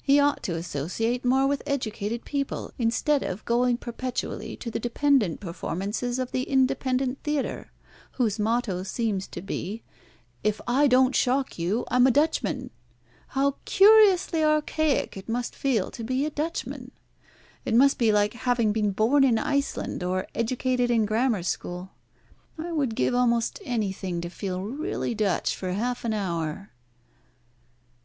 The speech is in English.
He ought to associate more with educated people, instead of going perpetually to the dependent performances of the independent theatre, whose motto seems to be, 'If I don't shock you, I'm a Dutchman!' How curiously archaic it must feel to be a Dutchman. It must be like having been born in Iceland, or educated in a Grammar School. I would give almost anything to feel really Dutch for half an hour."